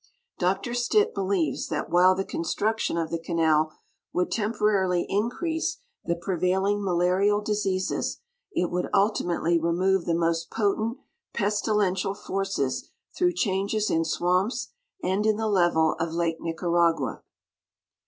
Dr Stitt believes that while the construction of the canal would temporarily increa.se the prevailing malarial diseases, it would ultimately remove the most potent pestilential forces through changes in swamps and in the level of lake Nicaragua.